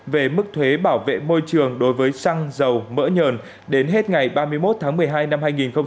về mức thuế bảo vệ môi trường đối với xăng dầu mỡ nhờn đến hết ngày ba mươi một tháng một mươi hai năm hai nghìn hai mươi